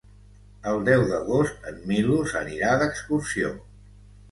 El deu d'agost en Milos anirà d'excursió.